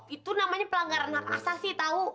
itu namanya pelanggaran haram asasi tau